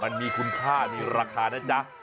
มันมีคุณค่ามีราคานะจ๊ะ